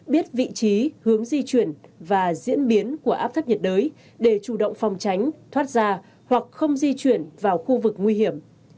biết vị trí hướng di chuyển và diễn biến của áp thấp nhiệt đới để chủ động phòng tránh thoát ra hoặc không di chuyển vào khu vực nguy hiểm